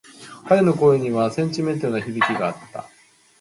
彼の声にはセンチメンタルな響きがあった。